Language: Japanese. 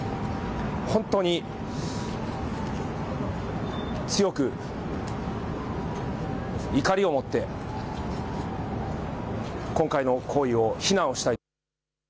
本当に強く怒りを持って今回の行為を非難をしたい。